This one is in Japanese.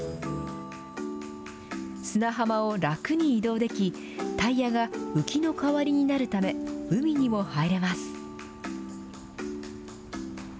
砂浜を楽に移動でき、タイヤが浮きの代わりになるため、海にも入れます。